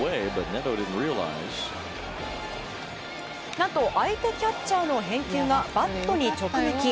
何と相手キャッチャーの返球がバットに直撃。